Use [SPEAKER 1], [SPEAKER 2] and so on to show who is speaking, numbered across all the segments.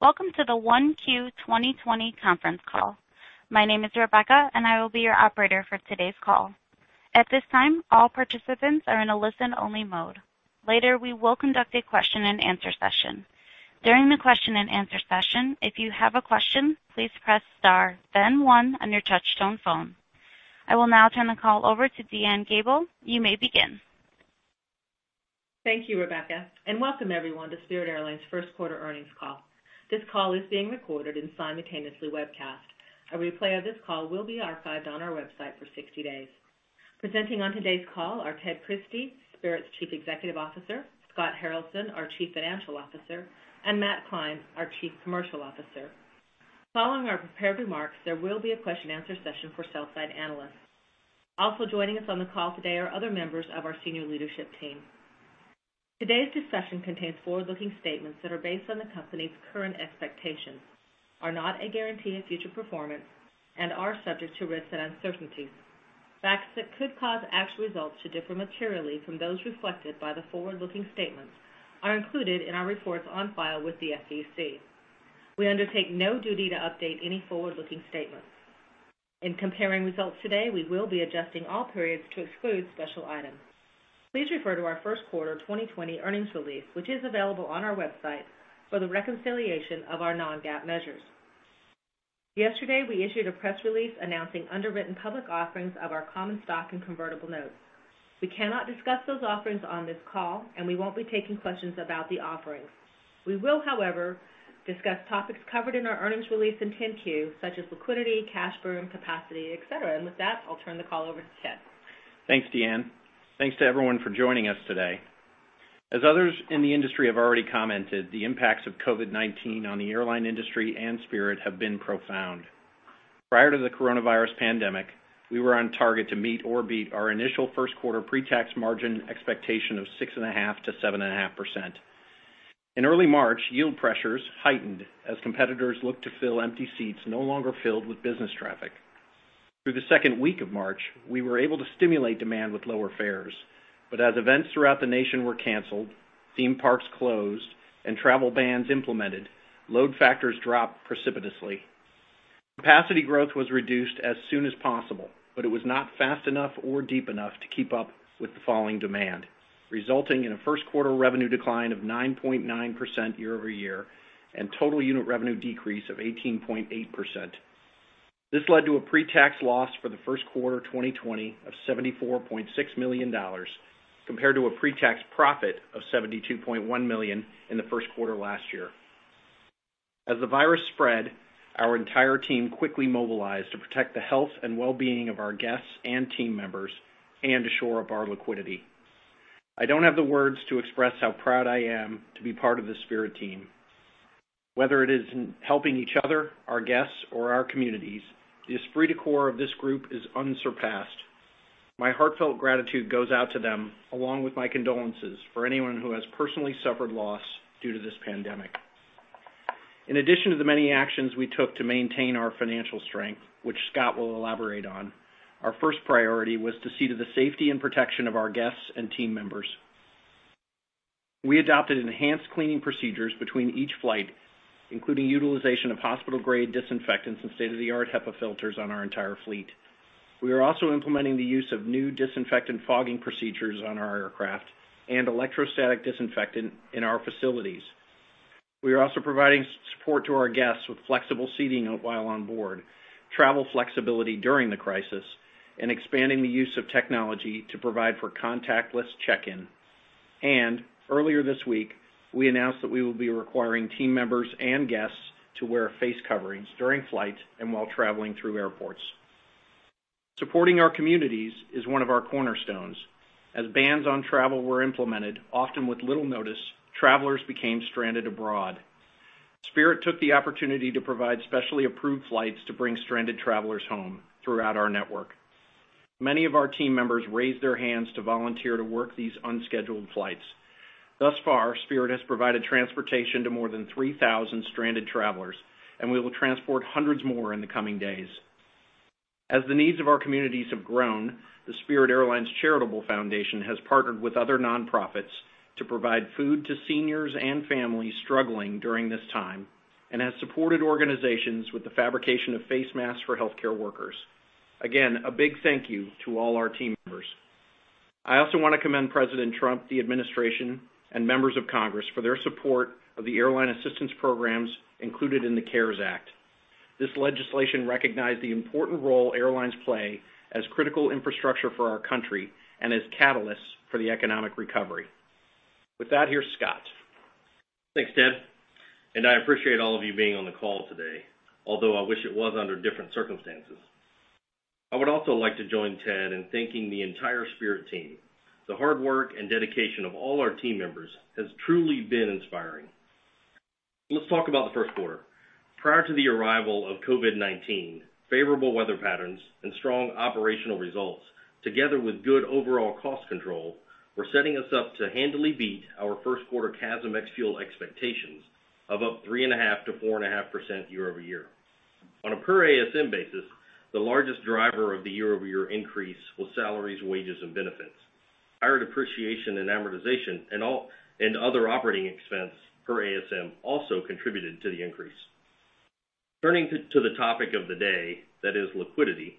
[SPEAKER 1] Welcome to the 1Q 2020 conference call. My name is Rebecca, and I will be your operator for today's call. At this time, all participants are in a listen-only mode. Later, we will conduct a question-and-answer session. During the question-and-answer session, if you have a question, please press star, then one on your touch-tone phone. I will now turn the call over to Deanne Gabel. You may begin.
[SPEAKER 2] Thank you, Rebecca, and welcome everyone to Spirit Airlines' first quarter earnings call. This call is being recorded and simultaneously webcast. A replay of this call will be archived on our website for 60 days. Presenting on today's call are Ted Christie, Spirit's Chief Executive Officer; Scott Haralson, our Chief Financial Officer; and Matt Klein, our Chief Commercial Officer. Following our prepared remarks, there will be a question-and-answer session for sell-side analysts. Also joining us on the call today are other members of our senior leadership team. Today's discussion contains forward-looking statements that are based on the company's current expectations, are not a guarantee of future performance, and are subject to risks and uncertainties. Facts that could cause actual results to differ materially from those reflected by the forward-looking statements are included in our reports on file with the SEC. We undertake no duty to update any forward-looking statements. In comparing results today, we will be adjusting all periods to exclude special items. Please refer to our first quarter 2020 earnings release, which is available on our website, for the reconciliation of our non-GAAP measures. Yesterday, we issued a press release announcing underwritten public offerings of our common stock and convertible notes. We cannot discuss those offerings on this call, and we won't be taking questions about the offerings. We will, however, discuss topics covered in our earnings release and 10-Q, such as liquidity, cash burn capacity, etc. With that, I'll turn the call over to Ted.
[SPEAKER 3] Thanks, DeAnne. Thanks to everyone for joining us today. As others in the industry have already commented, the impacts of COVID-19 on the airline industry and Spirit have been profound. Prior to the coronavirus pandemic, we were on target to meet or beat our initial first quarter pre-tax margin expectation of 6.5%-7.5%. In early March, yield pressures heightened as competitors looked to fill empty seats no longer filled with business traffic. Through the second week of March, we were able to stimulate demand with lower fares, but as events throughout the nation were canceled, theme parks closed, and travel bans implemented, load factors dropped precipitously. Capacity growth was reduced as soon as possible, but it was not fast enough or deep enough to keep up with the falling demand, resulting in a first quarter revenue decline of 9.9% year-over-year and total unit revenue decrease of 18.8%. This led to a pre-tax loss for the first quarter 2020 of $74.6 million compared to a pre-tax profit of $72.1 million in the first quarter last year. As the virus spread, our entire team quickly mobilized to protect the health and well-being of our guests and team members and assure our liquidity. I don't have the words to express how proud I am to be part of the Spirit team. Whether it is in helping each other, our guests, or our communities, the esprit de corps of this group is unsurpassed. My heartfelt gratitude goes out to them, along with my condolences for anyone who has personally suffered loss due to this pandemic. In addition to the many actions we took to maintain our financial strength, which Scott will elaborate on, our first priority was to see to the safety and protection of our guests and team members. We adopted enhanced cleaning procedures between each flight, including utilization of hospital-grade disinfectants and state-of-the-art HEPA filters on our entire fleet. We are also implementing the use of new disinfectant fogging procedures on our aircraft and electrostatic disinfectant in our facilities. We are also providing support to our guests with flexible seating while on board, travel flexibility during the crisis, and expanding the use of technology to provide for contactless check-in. Earlier this week, we announced that we will be requiring team members and guests to wear face coverings during flights and while traveling through airports. Supporting our communities is one of our cornerstones. As bans on travel were implemented, often with little notice, travelers became stranded abroad. Spirit took the opportunity to provide specially approved flights to bring stranded travelers home throughout our network. Many of our team members raised their hands to volunteer to work these unscheduled flights. Thus far, Spirit has provided transportation to more than 3,000 stranded travelers, and we will transport hundreds more in the coming days. As the needs of our communities have grown, the Spirit Airlines Charitable Foundation has partnered with other nonprofits to provide food to seniors and families struggling during this time and has supported organizations with the fabrication of face masks for healthcare workers. Again, a big thank you to all our team members. I also want to commend President Trump, the administration, and members of Congress for their support of the airline assistance programs included in the CARES Act. This legislation recognized the important role airlines play as critical infrastructure for our country and as catalysts for the economic recovery. With that, here's Scott.
[SPEAKER 4] Thanks, Ted. I appreciate all of you being on the call today, although I wish it was under different circumstances. I would also like to join Ted in thanking the entire Spirit team. The hard work and dedication of all our team members has truly been inspiring. Let's talk about the first quarter. Prior to the arrival of COVID-19, favorable weather patterns and strong operational results, together with good overall cost control, were setting us up to handily beat our first quarter CASM ex-fuel expectations of up 3.5%-4.5% year-over-year. On a per ASM basis, the largest driver of the year-over-year increase was salaries, wages, and benefits. Higher depreciation and amortization and other operating expense per ASM also contributed to the increase. Turning to the topic of the day, that is liquidity,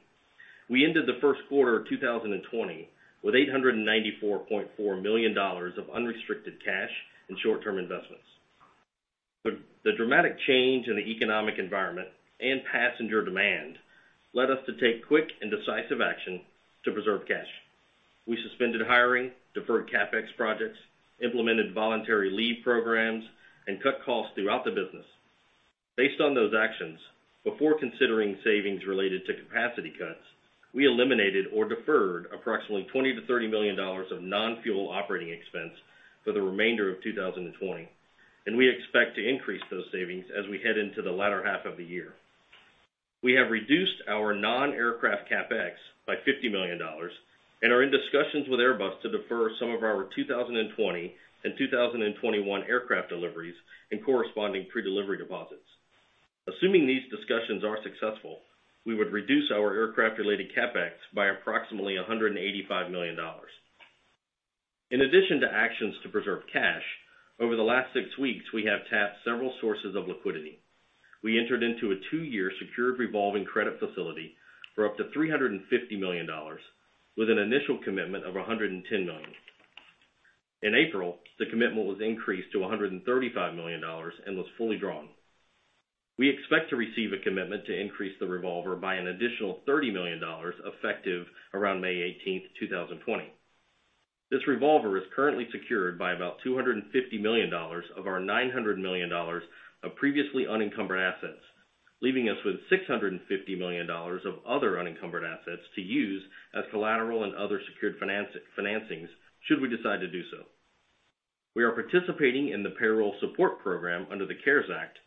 [SPEAKER 4] we ended the first quarter of 2020 with $894.4 million of unrestricted cash and short-term investments. The dramatic change in the economic environment and passenger demand led us to take quick and decisive action to preserve cash. We suspended hiring, deferred CapEx projects, implemented voluntary leave programs, and cut costs throughout the business. Based on those actions, before considering savings related to capacity cuts, we eliminated or deferred approximately $20 million-$30 million of non-fuel operating expense for the remainder of 2020, and we expect to increase those savings as we head into the latter half of the year. We have reduced our non-aircraft CapEx by $50 million and are in discussions with Airbus to defer some of our 2020 and 2021 aircraft deliveries and corresponding pre-delivery deposits. Assuming these discussions are successful, we would reduce our aircraft-related CapEx by approximately $185 million. In addition to actions to preserve cash, over the last six weeks, we have tapped several sources of liquidity. We entered into a two-year secured revolving credit facility for up to $350 million, with an initial commitment of $110 million. In April, the commitment was increased to $135 million and was fully drawn. We expect to receive a commitment to increase the revolver by an additional $30 million effective around May 18, 2020. This revolver is currently secured by about $250 million of our $900 million of previously unencumbered assets, leaving us with $650 million of other unencumbered assets to use as collateral and other secured financings should we decide to do so. We are participating in the payroll support program under the CARES Act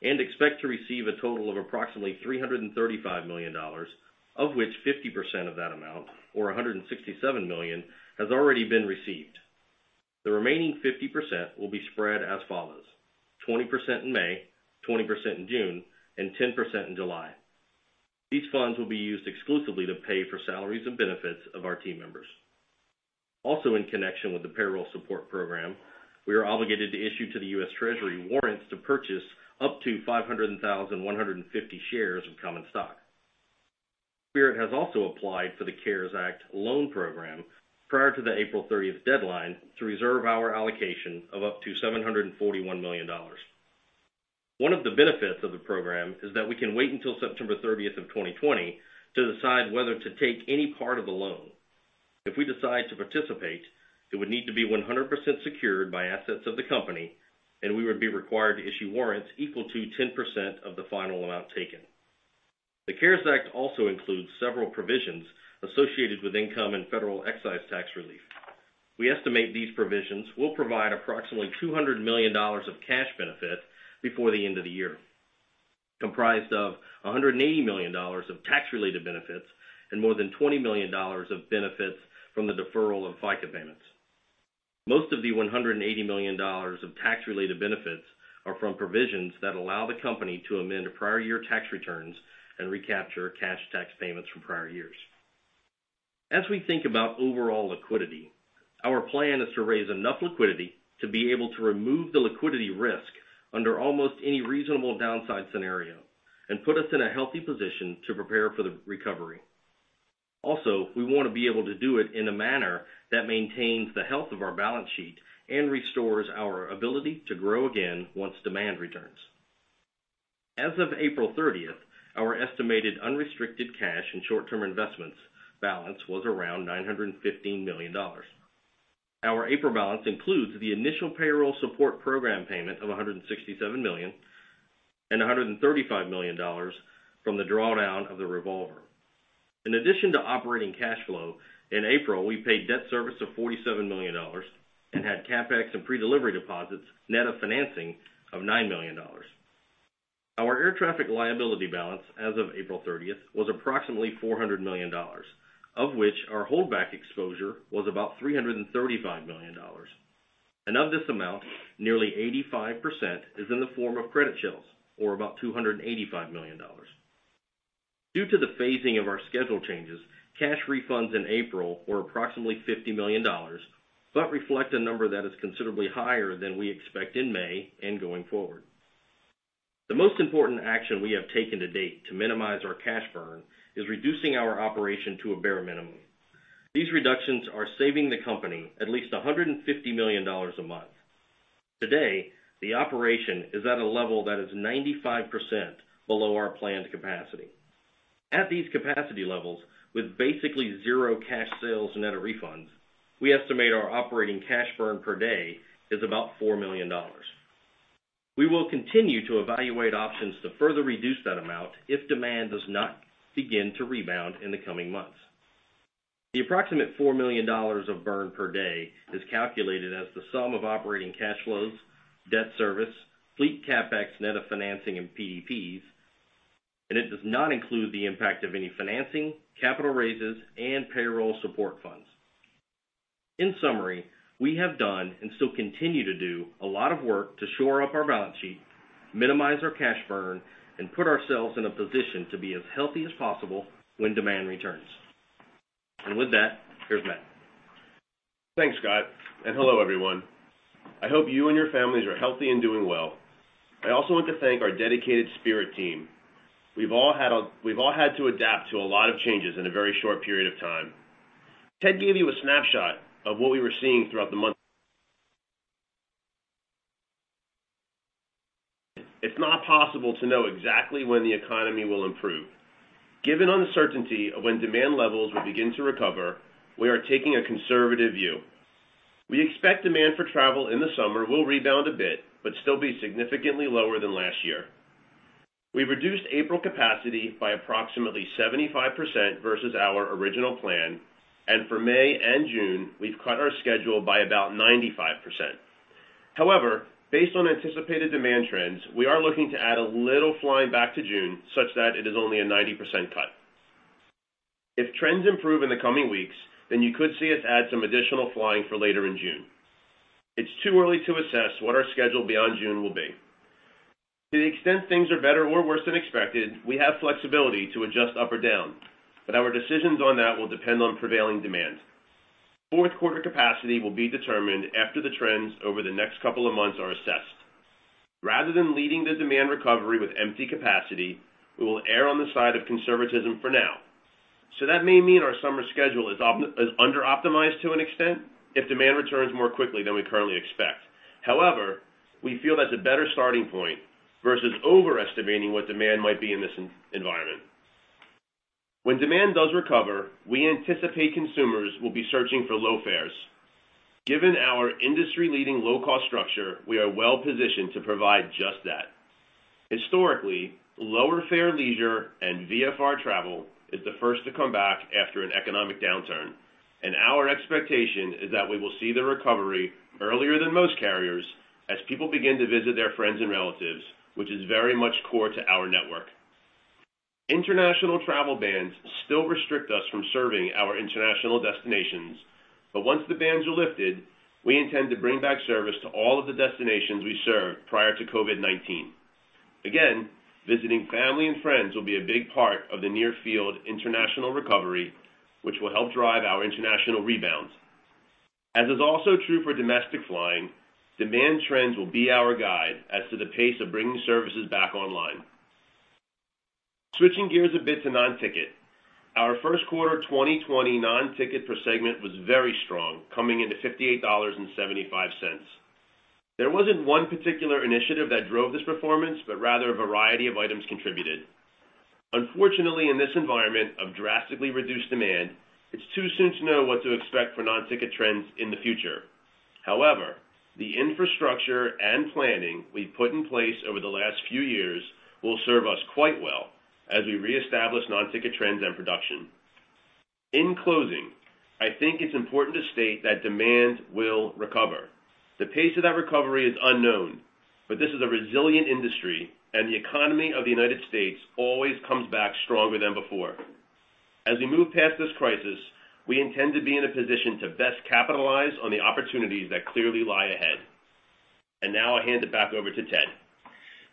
[SPEAKER 4] and expect to receive a total of approximately $335 million, of which 50% of that amount, or $167 million, has already been received. The remaining 50% will be spread as follows: 20% in May, 20% in June, and 10% in July. These funds will be used exclusively to pay for salaries and benefits of our team members. Also, in connection with the payroll support program, we are obligated to issue to the U.S. Treasury warrants to purchase up to 500,150 shares of common stock. Spirit has also applied for the CARES Act loan program prior to the April 30 deadline to reserve our allocation of up to $741 million. One of the benefits of the program is that we can wait until September 30, 2020, to decide whether to take any part of the loan. If we decide to participate, it would need to be 100% secured by assets of the company, and we would be required to issue warrants equal to 10% of the final amount taken. The CARES Act also includes several provisions associated with income and federal excise tax relief. We estimate these provisions will provide approximately $200 million of cash benefit before the end of the year, comprised of $180 million of tax-related benefits and more than $20 million of benefits from the deferral of FICA payments. Most of the $180 million of tax-related benefits are from provisions that allow the company to amend prior year tax returns and recapture cash tax payments from prior years. As we think about overall liquidity, our plan is to raise enough liquidity to be able to remove the liquidity risk under almost any reasonable downside scenario and put us in a healthy position to prepare for the recovery. Also, we want to be able to do it in a manner that maintains the health of our balance sheet and restores our ability to grow again once demand returns. As of April 30, our estimated unrestricted cash and short-term investments balance was around $915 million. Our April balance includes the initial payroll support program payment of $167 million and $135 million from the drawdown of the revolver. In addition to operating cash flow, in April, we paid debt service of $47 million and had CapEx and pre-delivery deposits net of financing of $9 million. Our air traffic liability balance as of April 30 was approximately $400 million, of which our holdback exposure was about $335 million. Of this amount, nearly 85% is in the form of credit shells, or about $285 million. Due to the phasing of our schedule changes, cash refunds in April were approximately $50 million, but reflect a number that is considerably higher than we expect in May and going forward. The most important action we have taken to date to minimize our cash burn is reducing our operation to a bare minimum. These reductions are saving the company at least $150 million a month. Today, the operation is at a level that is 95% below our planned capacity. At these capacity levels, with basically zero cash sales and net of refunds, we estimate our operating cash burn per day is about $4 million. We will continue to evaluate options to further reduce that amount if demand does not begin to rebound in the coming months. The approximate $4 million of burn per day is calculated as the sum of operating cash flows, debt service, fleet CapEx, net of financing, and PDPs, and it does not include the impact of any financing, capital raises, and payroll support funds. In summary, we have done and still continue to do a lot of work to shore up our balance sheet, minimize our cash burn, and put ourselves in a position to be as healthy as possible when demand returns. With that, here's Matt.
[SPEAKER 5] Thanks, Scott. Hello, everyone. I hope you and your families are healthy and doing well. I also want to thank our dedicated Spirit team. We've all had to adapt to a lot of changes in a very short period of time. Ted gave you a snapshot of what we were seeing throughout the month. It's not possible to know exactly when the economy will improve. Given uncertainty of when demand levels will begin to recover, we are taking a conservative view. We expect demand for travel in the summer will rebound a bit, but still be significantly lower than last year. We've reduced April capacity by approximately 75% versus our original plan, and for May and June, we've cut our schedule by about 95%. However, based on anticipated demand trends, we are looking to add a little flying back to June, such that it is only a 90% cut. If trends improve in the coming weeks, then you could see us add some additional flying for later in June. It's too early to assess what our schedule beyond June will be. To the extent things are better or worse than expected, we have flexibility to adjust up or down, but our decisions on that will depend on prevailing demand. Fourth quarter capacity will be determined after the trends over the next couple of months are assessed. Rather than leading the demand recovery with empty capacity, we will err on the side of conservatism for now. That may mean our summer schedule is under-optimized to an extent if demand returns more quickly than we currently expect. However, we feel that's a better starting point versus overestimating what demand might be in this environment. When demand does recover, we anticipate consumers will be searching for low fares. Given our industry-leading low-cost structure, we are well-positioned to provide just that. Historically, lower fare leisure and VFR travel is the first to come back after an economic downturn, and our expectation is that we will see the recovery earlier than most carriers as people begin to visit their friends and relatives, which is very much core to our network. International travel bans still restrict us from serving our international destinations, but once the bans are lifted, we intend to bring back service to all of the destinations we served prior to COVID-19. Again, visiting family and friends will be a big part of the near-field international recovery, which will help drive our international rebound. As is also true for domestic flying, demand trends will be our guide as to the pace of bringing services back online. Switching gears a bit to non-ticket, our first quarter 2020 non-ticket per segment was very strong, coming into $58.75. There wasn't one particular initiative that drove this performance, but rather a variety of items contributed. Unfortunately, in this environment of drastically reduced demand, it's too soon to know what to expect for non-ticket trends in the future. However, the infrastructure and planning we've put in place over the last few years will serve us quite well as we reestablish non-ticket trends and production. In closing, I think it's important to state that demand will recover. The pace of that recovery is unknown, but this is a resilient industry, and the economy of the U.S. always comes back stronger than before. As we move past this crisis, we intend to be in a position to best capitalize on the opportunities that clearly lie ahead. I hand it back over to Ted.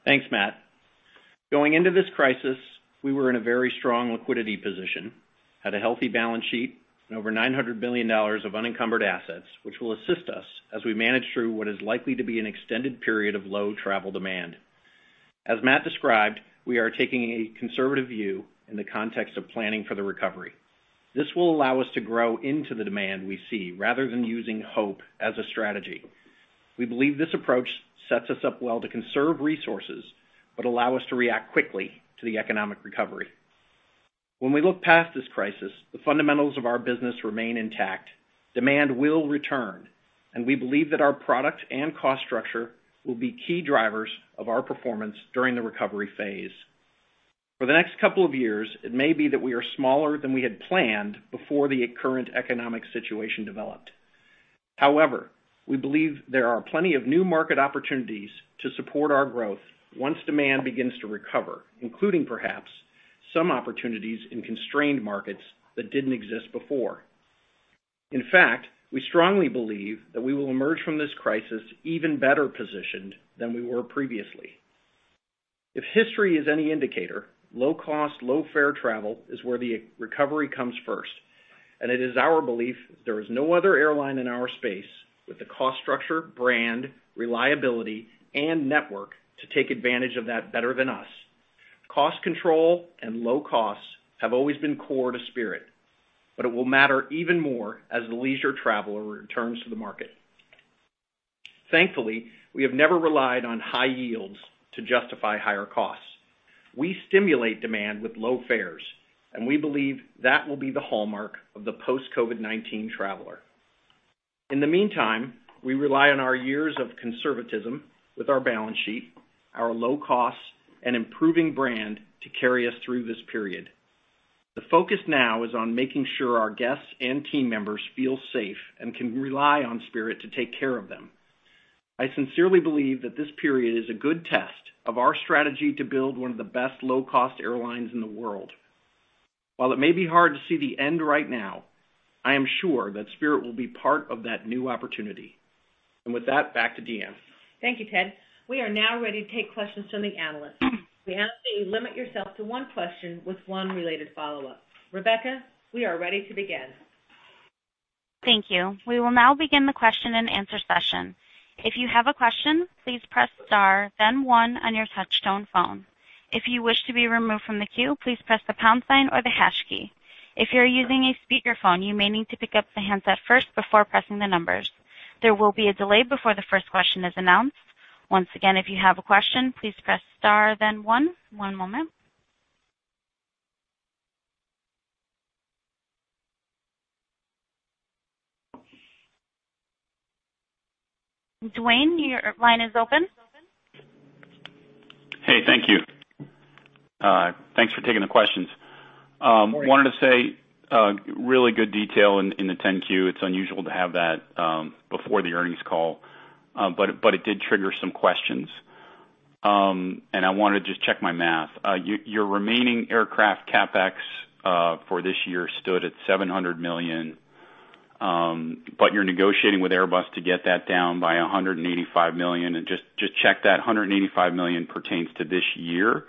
[SPEAKER 3] Thanks, Matt. Going into this crisis, we were in a very strong liquidity position, had a healthy balance sheet, and over $900 million of unencumbered assets, which will assist us as we manage through what is likely to be an extended period of low travel demand. As Matt described, we are taking a conservative view in the context of planning for the recovery. This will allow us to grow into the demand we see rather than using hope as a strategy. We believe this approach sets us up well to conserve resources but allow us to react quickly to the economic recovery. When we look past this crisis, the fundamentals of our business remain intact, demand will return, and we believe that our product and cost structure will be key drivers of our performance during the recovery phase. For the next couple of years, it may be that we are smaller than we had planned before the current economic situation developed. However, we believe there are plenty of new market opportunities to support our growth once demand begins to recover, including perhaps some opportunities in constrained markets that did not exist before. In fact, we strongly believe that we will emerge from this crisis even better positioned than we were previously. If history is any indicator, low-cost, low-fare travel is where the recovery comes first, and it is our belief there is no other airline in our space with the cost structure, brand, reliability, and network to take advantage of that better than us. Cost control and low costs have always been core to Spirit, but it will matter even more as the leisure traveler returns to the market. Thankfully, we have never relied on high yields to justify higher costs. We stimulate demand with low fares, and we believe that will be the hallmark of the post COVID-19 traveler. In the meantime, we rely on our years of conservatism with our balance sheet, our low costs, and improving brand to carry us through this period. The focus now is on making sure our guests and team members feel safe and can rely on Spirit to take care of them. I sincerely believe that this period is a good test of our strategy to build one of the best low-cost airlines in the world. While it may be hard to see the end right now, I am sure that Spirit will be part of that new opportunity. With that, back to DeAnne.
[SPEAKER 2] Thank you, Ted. We are now ready to take questions from the analysts. We ask that you limit yourself to one question with one related follow-up. Rebecca, we are ready to begin.
[SPEAKER 1] Thank you. We will now begin the question-and-answer session. If you have a question, please press star, then one on your touch-tone phone. If you wish to be removed from the queue, please press the pound sign or the hash key. If you're using a speakerphone, you may need to pick up the handset first before pressing the numbers. There will be a delay before the first question is announced. Once again, if you have a question, please press star, then one. One moment. Duane, your line is open. Hey, thank you. Thanks for taking the questions. Wanted to say really good detail in the 10-Q. It's unusual to have that before the earnings call, but it did trigger some questions. I wanted to just check my math. Your remaining aircraft CapEx for this year stood at $700 million, but you're negotiating with Airbus to get that down by $185 million. Just check that $185 million pertains to this year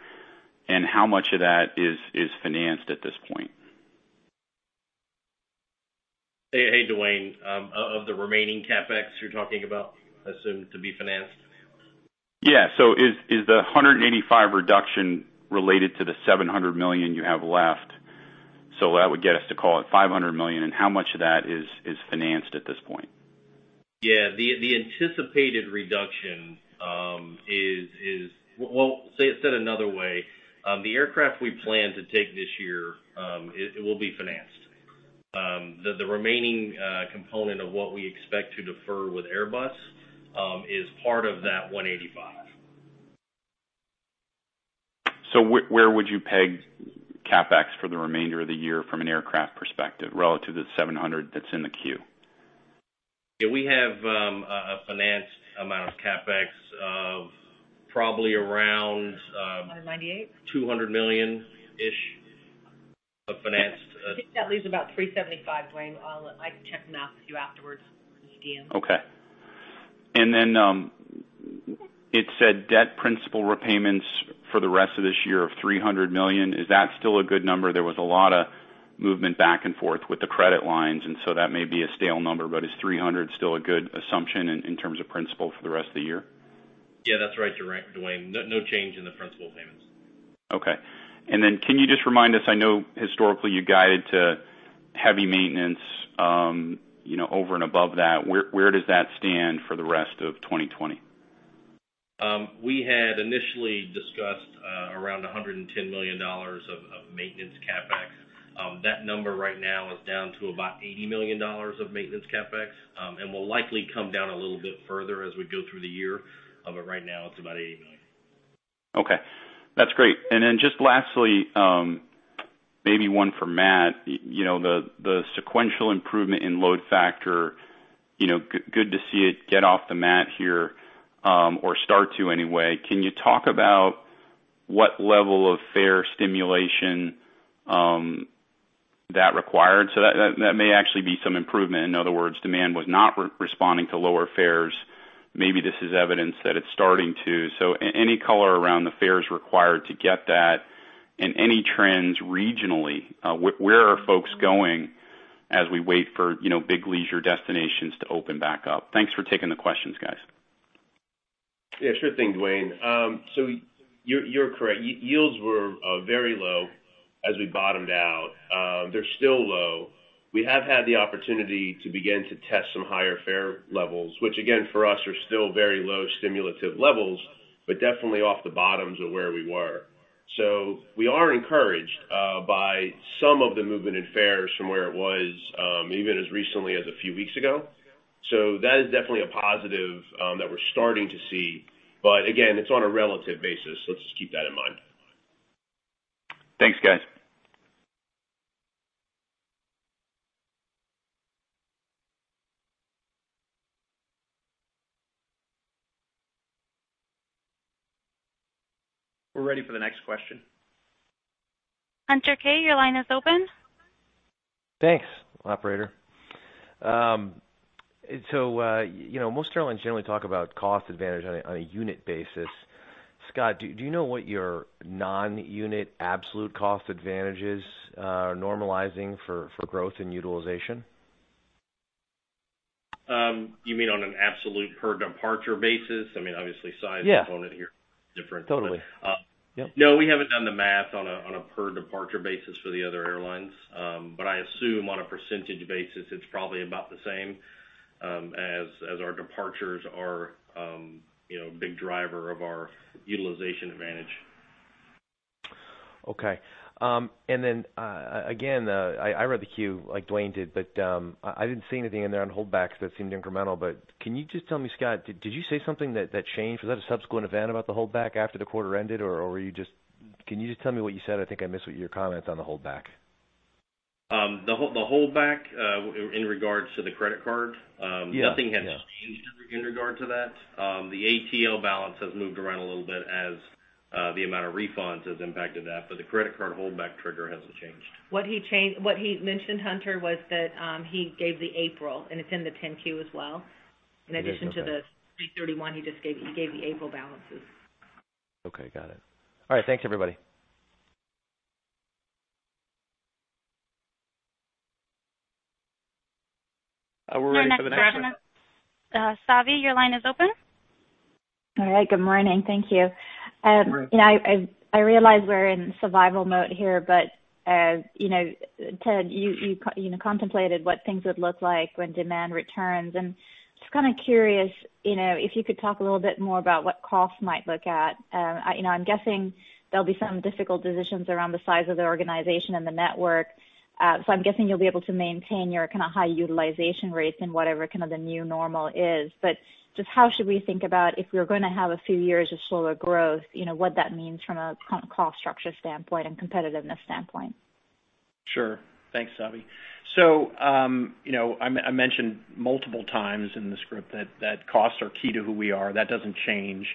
[SPEAKER 1] and how much of that is financed at this point?
[SPEAKER 4] Hey, Duane, of the remaining CapEx you're talking about, I assume, to be financed? Yeah. Is the $185 million reduction related to the $700 million you have left? That would get us to, call it, $500 million. How much of that is financed at this point? Yeah. The anticipated reduction is, say it said another way, the aircraft we plan to take this year, it will be financed. The remaining component of what we expect to defer with Airbus is part of that $185 million. Where would you peg CapEx for the remainder of the year from an aircraft perspective relative to the $700 million that's in the queue? Yeah. We have a financed amount of CapEx of probably around.
[SPEAKER 2] $198 million?
[SPEAKER 4] $200 million-ish of financed.
[SPEAKER 2] I think that leaves about $375 million, Duane. I can check the math with you afterwards. This is DeAnne. Okay. It said debt principal repayments for the rest of this year of $300 million. Is that still a good number? There was a lot of movement back and forth with the credit lines, so that may be a stale number, but is $300 million still a good assumption in terms of principal for the rest of the year?
[SPEAKER 4] Yeah, that's right, Duane. No change in the principal payments. Okay. Can you just remind us, I know historically you guided to heavy maintenance over and above that. Where does that stand for the rest of 2020? We had initially discussed around $110 million of maintenance CapEx. That number right now is down to about $80 million of maintenance CapEx, and will likely come down a little bit further as we go through the year, but right now it's about $80 million. Okay. That's great. Lastly, maybe one for Matt, the sequential improvement in load factor, good to see it get off the mat here or start to anyway. Can you talk about what level of fare stimulation that required? That may actually be some improvement. In other words, demand was not responding to lower fares. Maybe this is evidence that it's starting to. Any color around the fares required to get that and any trends regionally, where are folks going as we wait for big leisure destinations to open back up? Thanks for taking the questions, guys.
[SPEAKER 5] Yeah, sure thing, Duane. You're correct. Yields were very low as we bottomed out. They're still low. We have had the opportunity to begin to test some higher fare levels, which, again, for us, are still very low stimulative levels, but definitely off the bottoms of where we were. We are encouraged by some of the movement in fares from where it was, even as recently as a few weeks ago. That is definitely a positive that we're starting to see. Again, it's on a relative basis. Let's just keep that in mind. Thanks, guys.
[SPEAKER 3] We're ready for the next question.
[SPEAKER 1] Hunter Keay, your line is open. Thanks, Operator. Most airlines generally talk about cost advantage on a unit basis. Scott, do you know what your non-unit absolute cost advantage is normalizing for growth and utilization?
[SPEAKER 4] You mean on an absolute per departure basis? I mean, obviously, size component here is different. Yeah. Totally. No, we haven't done the math on a per departure basis for the other airlines, but I assume on a percentage basis, it's probably about the same as our departures are a big driver of our utilization advantage. Okay. I read the queue like Duane did, but I did not see anything in there on holdbacks that seemed incremental. Can you just tell me, Scott, did you say something that changed? Was that a subsequent event about the holdback after the quarter ended, or can you just tell me what you said? I think I missed your comment on the holdback. The holdback in regards to the credit card, nothing has changed in regard to that. The ATO balance has moved around a little bit as the amount of refunds has impacted that, but the credit card holdback trigger hasn't changed.
[SPEAKER 2] What he mentioned, Hunter, was that he gave the April, and it's in the 10-Q as well. Okay. In addition to the 3/31, he just gave the April balances. Okay. Got it. All right. Thanks, everybody.
[SPEAKER 3] We're ready for the next one.
[SPEAKER 1] Savi, your line is open. All right. Good morning. Thank you. I realize we're in survival mode here, but Ted, you contemplated what things would look like when demand returns, and just kind of curious if you could talk a little bit more about what costs might look at. I'm guessing there'll be some difficult decisions around the size of the organization and the network, so I'm guessing you'll be able to maintain your kind of high utilization rates in whatever kind of the new normal is. Just how should we think about if we're going to have a few years of slower growth, what that means from a cost structure standpoint and competitiveness standpoint?
[SPEAKER 3] Sure. Thanks, Savi. I mentioned multiple times in this group that costs are key to who we are. That does not change.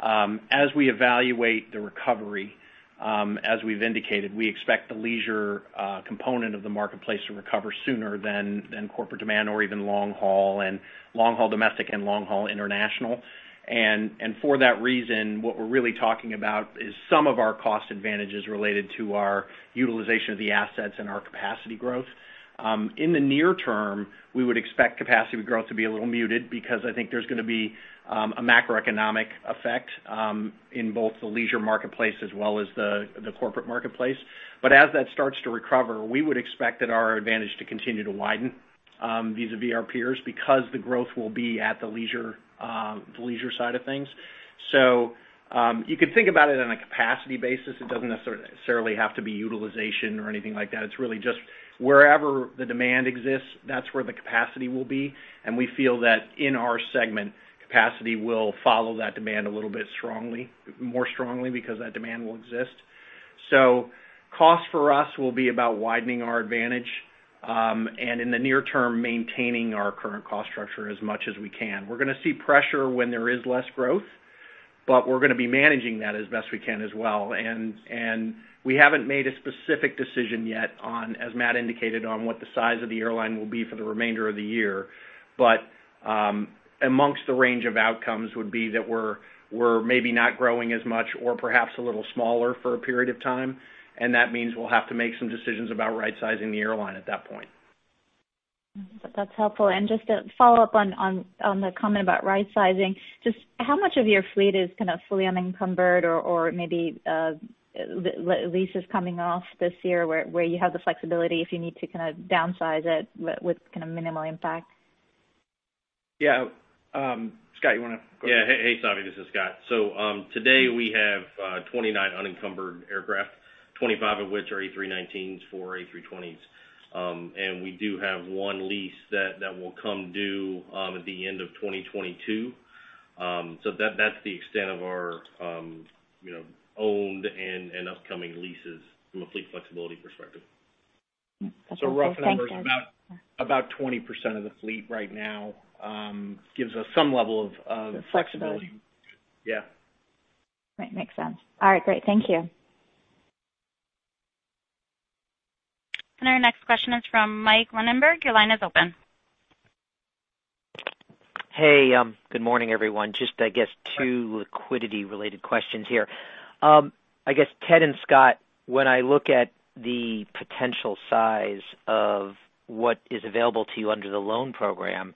[SPEAKER 3] As we evaluate the recovery, as we have indicated, we expect the leisure component of the marketplace to recover sooner than corporate demand or even long-haul, and long-haul domestic and long-haul international. For that reason, what we are really talking about is some of our cost advantages related to our utilization of the assets and our capacity growth. In the near term, we would expect capacity growth to be a little muted because I think there is going to be a macroeconomic effect in both the leisure marketplace as well as the corporate marketplace. As that starts to recover, we would expect our advantage to continue to widen vis-à-vis our peers because the growth will be at the leisure side of things. You could think about it on a capacity basis. It does not necessarily have to be utilization or anything like that. It is really just wherever the demand exists, that is where the capacity will be. We feel that in our segment, capacity will follow that demand a little bit more strongly because that demand will exist. Costs for us will be about widening our advantage and in the near term, maintaining our current cost structure as much as we can. We are going to see pressure when there is less growth, but we are going to be managing that as best we can as well. We have not made a specific decision yet, as Matt indicated, on what the size of the airline will be for the remainder of the year. Amongst the range of outcomes would be that we're maybe not growing as much or perhaps a little smaller for a period of time, and that means we'll have to make some decisions about right-sizing the airline at that point. That's helpful. Just to follow up on the comment about right-sizing, just how much of your fleet is kind of fully unencumbered or maybe leases coming off this year where you have the flexibility if you need to kind of downsize it with kind of minimal impact? Yeah. Scott, you want to go ahead?
[SPEAKER 4] Yeah. Hey, Savi. This is Scott. Today we have 29 unencumbered aircraft, 25 of which are A319s four A320s. We do have one lease that will come due at the end of 2022. That is the extent of our owned and upcoming leases from a fleet flexibility perspective. That's fantastic.
[SPEAKER 3] Rough numbers, about 20% of the fleet right now gives us some level of flexibility.
[SPEAKER 2] Flexibility.
[SPEAKER 3] Yeah. Right. Makes sense. All right. Great. Thank you.
[SPEAKER 1] Our next question is from Mike Linenberg. Your line is open. Hey, good morning, everyone. Just, I guess, two liquidity-related questions here. I guess, Ted and Scott, when I look at the potential size of what is available to you under the loan program,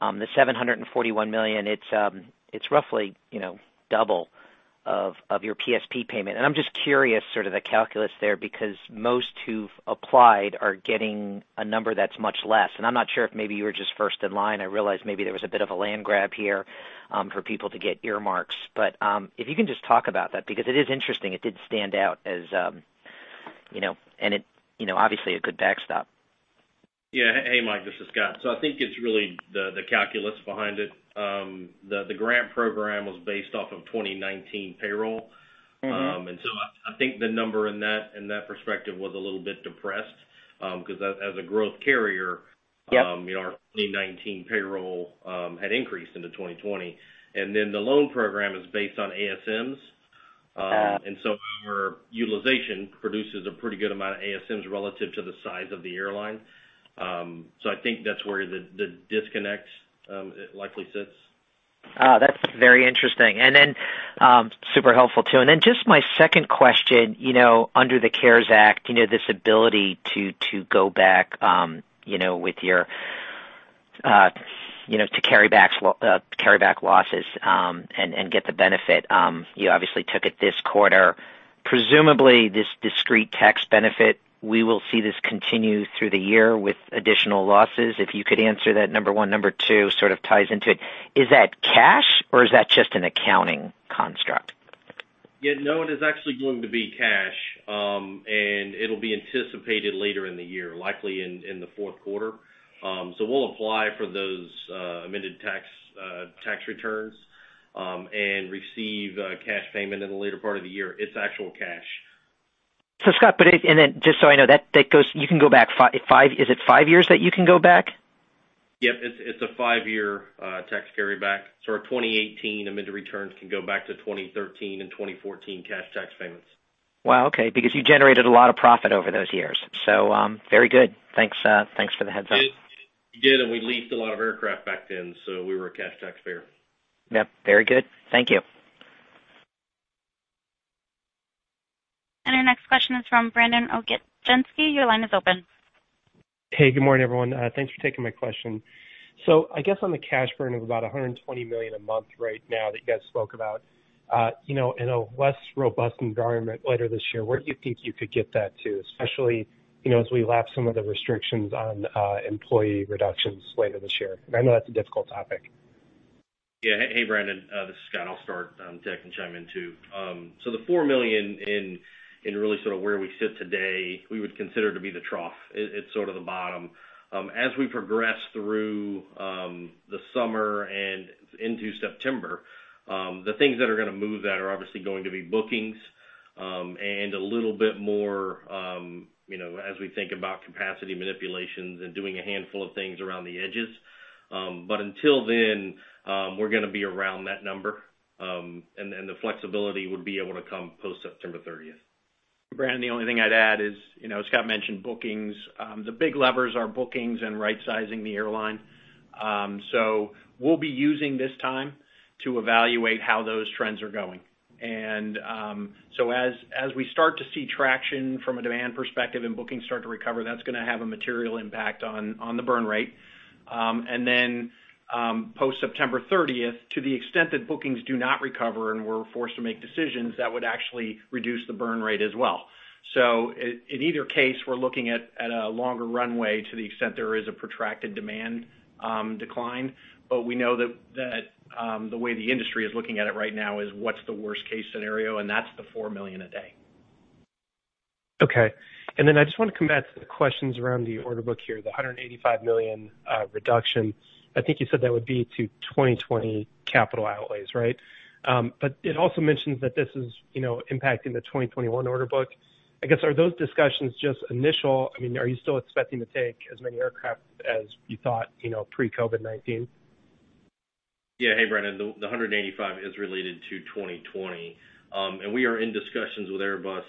[SPEAKER 1] the $741 million, it's roughly double of your PSP payment. I'm just curious sort of the calculus there because most who've applied are getting a number that's much less. I'm not sure if maybe you were just first in line. I realize maybe there was a bit of a land grab here for people to get earmarks, but if you can just talk about that because it is interesting. It did stand out as, and it obviously a good backstop.
[SPEAKER 4] Yeah. Hey, Mike. This is Scott. I think it is really the calculus behind it. The grant program was based off of 2019 payroll. I think the number in that perspective was a little bit depressed because as a growth carrier, our 2019 payroll had increased into 2020. The loan program is based on ASMs. Our utilization produces a pretty good amount of ASMs relative to the size of the airline. I think that is where the disconnect likely sits. Oh, that's very interesting. That's super helpful too. Just my second question, under the CARES Act, this ability to go back with your to carry back losses and get the benefit. You obviously took it this quarter. Presumably, this discrete tax benefit, we will see this continue through the year with additional losses. If you could answer that, number one. Number two sort of ties into it. Is that cash or is that just an accounting construct? Yeah. No, it is actually going to be cash, and it'll be anticipated later in the year, likely in the fourth quarter. We will apply for those amended tax returns and receive cash payment in the later part of the year. It's actual cash. Scott, and then just so I know, that goes you can go back. Is it five years that you can go back? Yep. It's a five-year tax carryback. Our 2018 amended returns can go back to 2013 and 2014 cash tax payments. Wow. Okay. Because you generated a lot of profit over those years. So very good. Thanks for the heads-up. We did, and we leased a lot of aircraft back then, so we were cash taxpayer. Yep. Very good. Thank you.
[SPEAKER 1] Our next question is from Brandon Oglenski. Your line is open. Hey, good morning, everyone. Thanks for taking my question. I guess on the cash burden of about $120 million a month right now that you guys spoke about, in a less robust environment later this year, where do you think you could get that to, especially as we lapse some of the restrictions on employee reductions later this year? I know that's a difficult topic.
[SPEAKER 4] Yeah. Hey, Brandon. This is Scott. I'll start. Ted can chime in too. The $4 million in really sort of where we sit today, we would consider to be the trough. It's sort of the bottom. As we progress through the summer and into September, the things that are going to move that are obviously going to be bookings and a little bit more as we think about capacity manipulations and doing a handful of things around the edges. Until then, we're going to be around that number, and the flexibility would be able to come post-September 30.
[SPEAKER 3] Brandon, the only thing I'd add is Scott mentioned bookings. The big levers are bookings and right-sizing the airline. We will be using this time to evaluate how those trends are going. As we start to see traction from a demand perspective and bookings start to recover, that's going to have a material impact on the burn rate. Post-September 30, to the extent that bookings do not recover and we're forced to make decisions, that would actually reduce the burn rate as well. In either case, we're looking at a longer runway to the extent there is a protracted demand decline. We know that the way the industry is looking at it right now is what's the worst-case scenario, and that's the $4 million a day. Okay. I just want to come back to the questions around the order book here, the $185 million reduction. I think you said that would be to 2020 capital outlays, right? It also mentions that this is impacting the 2021 order book. I guess, are those discussions just initial? I mean, are you still expecting to take as many aircraft as you thought pre-COVID-19?
[SPEAKER 4] Yeah. Hey, Brandon. The $185 million is related to 2020. We are in discussions with Airbus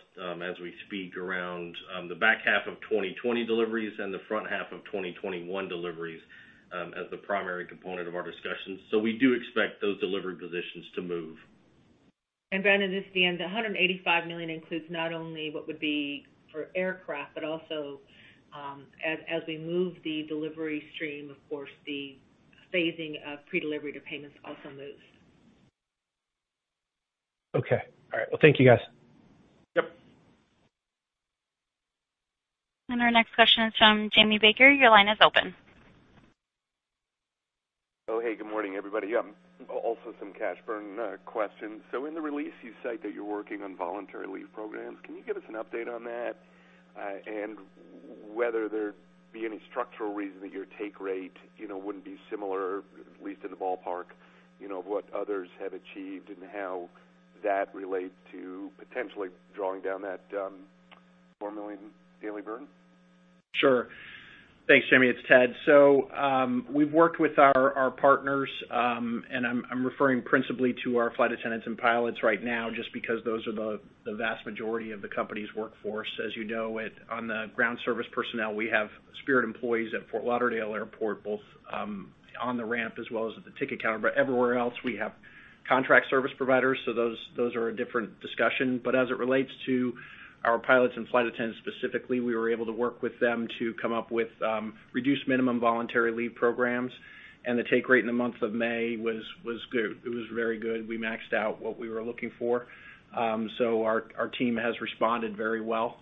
[SPEAKER 4] as we speak around the back half of 2020 deliveries and the front half of 2021 deliveries as the primary component of our discussions. We do expect those delivery positions to move.
[SPEAKER 2] Brandon, this is DeAnne, the $185 million includes not only what would be for aircraft, but also as we move the delivery stream, of course, the phasing of pre-delivery payments also moves. Okay. All right. Thank you, guys.
[SPEAKER 4] Yep.
[SPEAKER 1] Our next question is from Jamie Baker. Your line is open. Oh, hey. Good morning, everybody. Yeah. Also some cash burn questions. In the release, you cite that you're working on voluntary leave programs. Can you give us an update on that and whether there'd be any structural reason that your take rate wouldn't be similar, at least in the ballpark, of what others have achieved and how that relates to potentially drawing down that $4 million daily burn?
[SPEAKER 3] Sure. Thanks, Jamie. It's Ted. We have worked with our partners, and I am referring principally to our flight attendants and pilots right now just because those are the vast majority of the company's workforce. As you know, on the ground service personnel, we have Spirit employees at Fort Lauderdale Airport, both on the ramp as well as at the ticket counter. Everywhere else, we have contract service providers, so those are a different discussion. As it relates to our pilots and flight attendants specifically, we were able to work with them to come up with reduced minimum voluntary leave programs, and the take rate in the month of May was good. It was very good. We maxed out what we were looking for. Our team has responded very well,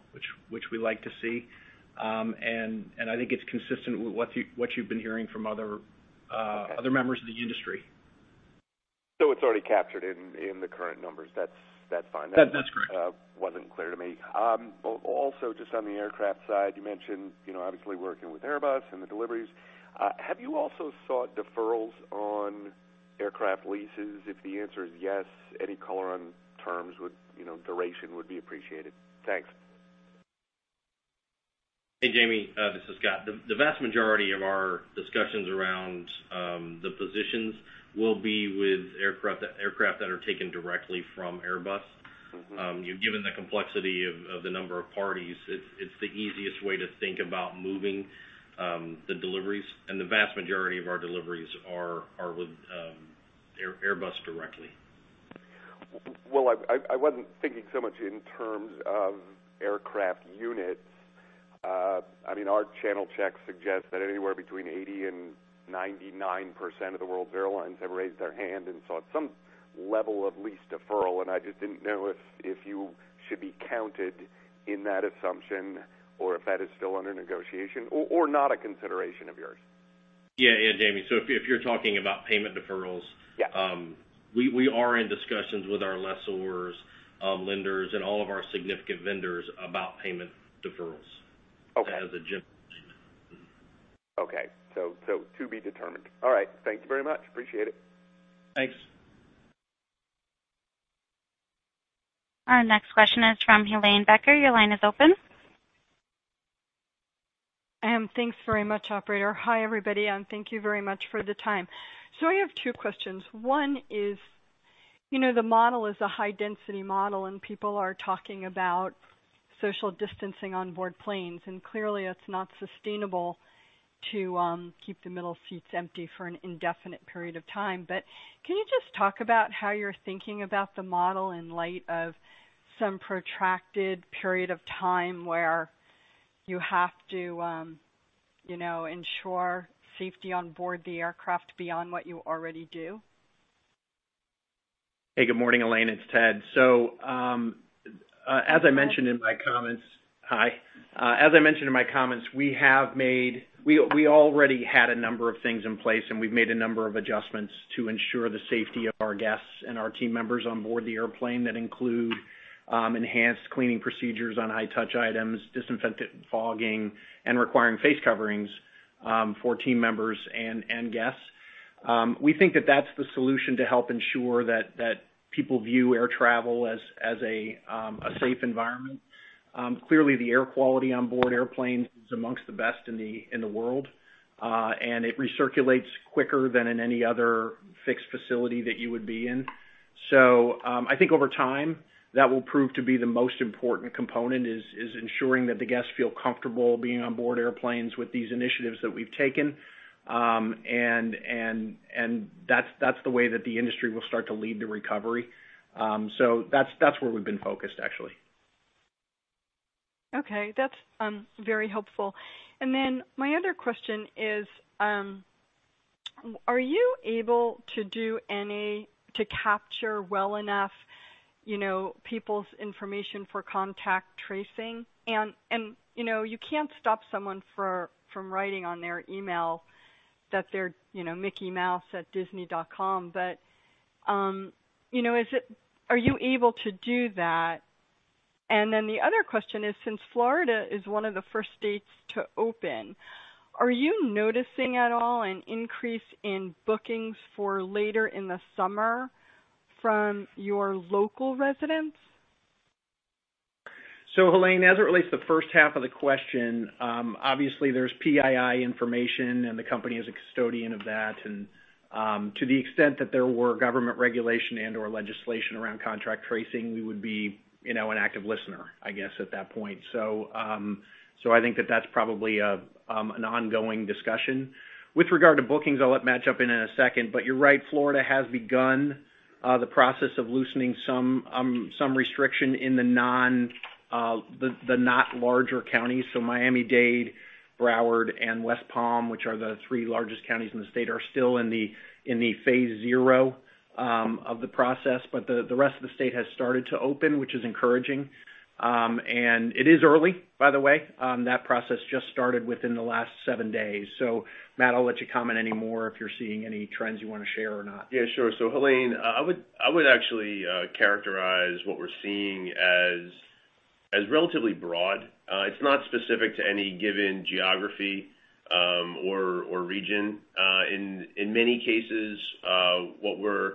[SPEAKER 3] which we like to see. I think it's consistent with what you've been hearing from other members of the industry. It is already captured in the current numbers. That's fine. That's correct. That wasn't clear to me. Also, just on the aircraft side, you mentioned obviously working with Airbus and the deliveries. Have you also sought deferrals on aircraft leases? If the answer is yes, any color on terms or duration would be appreciated. Thanks.
[SPEAKER 4] Hey, Jamie. This is Scott. The vast majority of our discussions around the positions will be with aircraft that are taken directly from Airbus. Given the complexity of the number of parties, it's the easiest way to think about moving the deliveries. The vast majority of our deliveries are with Airbus directly. I wasn't thinking so much in terms of aircraft units. I mean, our channel checks suggest that anywhere between 80% and 99% of the world's airlines have raised their hand and sought some level of lease deferral. I just didn't know if you should be counted in that assumption or if that is still under negotiation or not a consideration of yours. Yeah. Yeah, Jamie. If you're talking about payment deferrals, we are in discussions with our lessors, lenders, and all of our significant vendors about payment deferrals as a general statement. Okay. To be determined. All right. Thank you very much. Appreciate it.
[SPEAKER 3] Thanks.
[SPEAKER 1] Our next question is from Helane Becker. Your line is open. Thanks very much, Operator. Hi, everybody, and thank you very much for the time. I have two questions. One is the model is a high-density model, and people are talking about social distancing on board planes. Clearly, it's not sustainable to keep the middle seats empty for an indefinite period of time. Can you just talk about how you're thinking about the model in light of some protracted period of time where you have to ensure safety on board the aircraft beyond what you already do?
[SPEAKER 3] Hey, good morning, Helane. It's Ted. As I mentioned in my comments, we already had a number of things in place, and we've made a number of adjustments to ensure the safety of our guests and our team members on board the airplane. That includes enhanced cleaning procedures on high-touch items, disinfectant fogging, and requiring face coverings for team members and guests. We think that that's the solution to help ensure that people view air travel as a safe environment. Clearly, the air quality on board airplanes is amongst the best in the world, and it recirculates quicker than in any other fixed facility that you would be in. I think over time, that will prove to be the most important component is ensuring that the guests feel comfortable being on board airplanes with these initiatives that we've taken. That's the way that the industry will start to lead the recovery. That's where we've been focused, actually. Okay. That's very helpful. My other question is, are you able to do any to capture well enough people's information for contact tracing? You can't stop someone from writing on their email that they're mickeymouse@disney.com, but are you able to do that? The other question is, since Florida is one of the first states to open, are you noticing at all an increase in bookings for later in the summer from your local residents? Helane, as it relates to the first half of the question, obviously, there's PII information, and the company is a custodian of that. To the extent that there were government regulation and/or legislation around contract tracing, we would be an active listener, I guess, at that point. I think that that's probably an ongoing discussion. With regard to bookings, I'll let Matt jump in in a second. You're right. Florida has begun the process of loosening some restriction in the not larger counties. Miami-Dade, Broward, and West Palm, which are the three largest counties in the state, are still in the phase zero of the process. The rest of the state has started to open, which is encouraging. It is early, by the way. That process just started within the last seven days. Matt, I'll let you comment any more if you're seeing any trends you want to share or not.
[SPEAKER 5] Yeah. Sure. Helane, I would actually characterize what we're seeing as relatively broad. It's not specific to any given geography or region. In many cases, what we're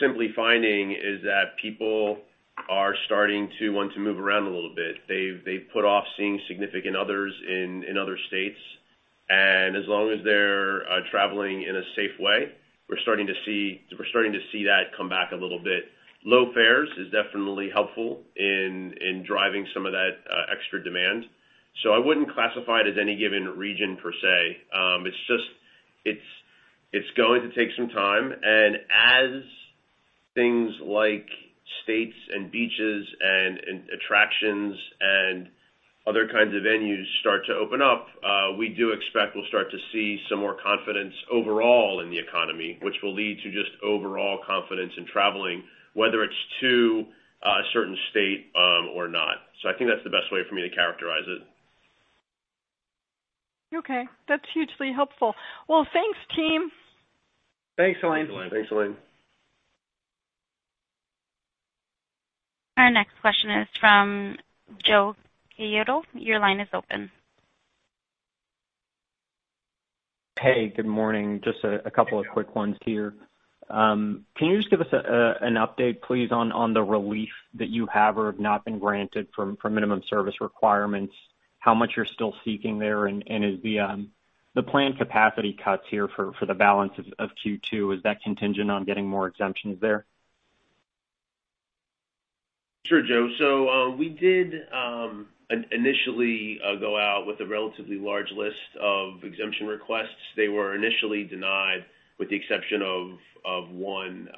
[SPEAKER 5] simply finding is that people are starting to want to move around a little bit. They've put off seeing significant others in other states. As long as they're traveling in a safe way, we're starting to see that come back a little bit. Low fares is definitely helpful in driving some of that extra demand. I wouldn't classify it as any given region per se. It's going to take some time. As things like states and beaches and attractions and other kinds of venues start to open up, we do expect we'll start to see some more confidence overall in the economy, which will lead to just overall confidence in traveling, whether it's to a certain state or not. I think that's the best way for me to characterize it. Okay. That's hugely helpful. Thanks, team.
[SPEAKER 3] Thanks, Helane.
[SPEAKER 5] Thanks, Helane.
[SPEAKER 1] Our next question is from Joe Caiado. Your line is open. Hey, good morning. Just a couple of quick ones here. Can you just give us an update, please, on the relief that you have or have not been granted from minimum service requirements, how much you're still seeking there, and is the planned capacity cuts here for the balance of Q2? Is that contingent on getting more exemptions there?
[SPEAKER 3] Sure, Joe. We did initially go out with a relatively large list of exemption requests. They were initially denied with the exception of one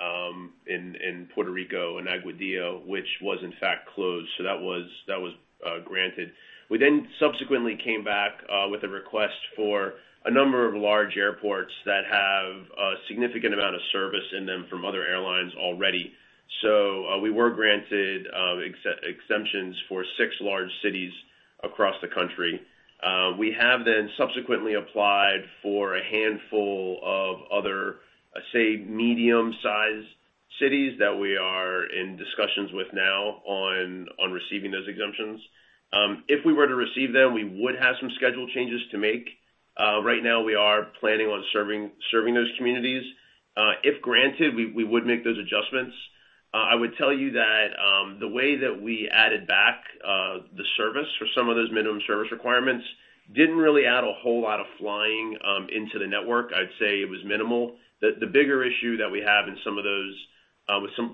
[SPEAKER 3] in Puerto Rico in Aguadilla, which was, in fact, closed. That was granted. We then subsequently came back with a request for a number of large airports that have a significant amount of service in them from other airlines already. We were granted exemptions for six large cities across the country. We have then subsequently applied for a handful of other, say, medium-sized cities that we are in discussions with now on receiving those exemptions. If we were to receive them, we would have some schedule changes to make. Right now, we are planning on serving those communities. If granted, we would make those adjustments. I would tell you that the way that we added back the service for some of those minimum service requirements didn't really add a whole lot of flying into the network. I'd say it was minimal. The bigger issue that we have in some of those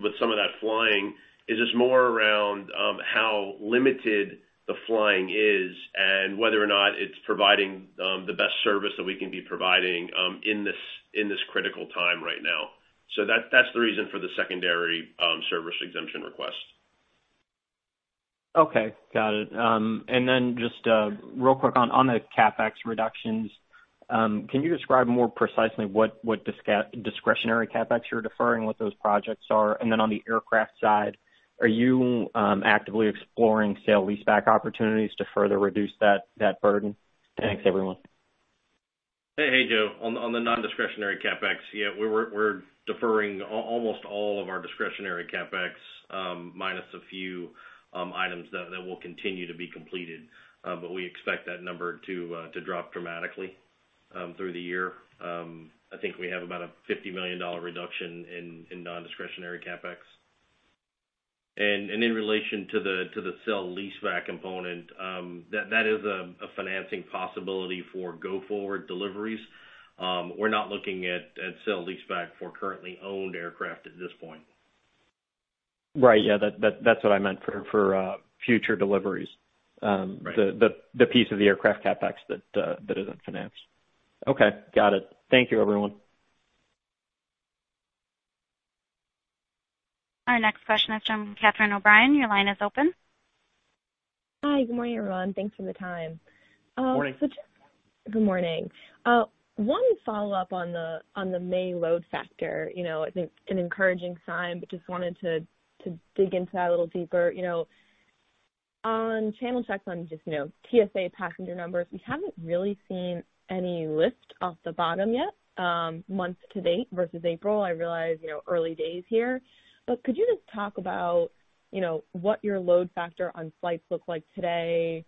[SPEAKER 3] with some of that flying is just more around how limited the flying is and whether or not it's providing the best service that we can be providing in this critical time right now. That's the reason for the secondary service exemption request. Okay. Got it. Just real quick on the CapEx reductions, can you describe more precisely what discretionary CapEx you're deferring, what those projects are? On the aircraft side, are you actively exploring sale lease-back opportunities to further reduce that burden? Thanks, everyone.
[SPEAKER 4] Hey, hey, Joe. On the non-discretionary CapEx, yeah, we're deferring almost all of our discretionary CapEx, minus a few items that will continue to be completed. We expect that number to drop dramatically through the year. I think we have about a $50 million reduction in non-discretionary CapEx. In relation to the sale-leaseback component, that is a financing possibility for go-forward deliveries. We're not looking at sale-leaseback for currently owned aircraft at this point. Right. Yeah. That's what I meant for future deliveries, the piece of the aircraft CapEx that isn't financed. Okay. Got it. Thank you, everyone.
[SPEAKER 1] Our next question is from Catherine O'Brien. Your line is open. Hi. Good morning, everyone. Thanks for the time.
[SPEAKER 3] Good morning. So just. Good morning. One follow-up on the May load factor. It's an encouraging sign, but just wanted to dig into that a little deeper. On channel checks, on just TSA passenger numbers, we haven't really seen any lift off the bottom yet, month-to -ate versus April. I realize early days here. Could you just talk about what your load factor on flights looks like today?